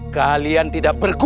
kalian tidak percaya